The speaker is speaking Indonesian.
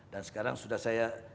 dan sekarang sudah saya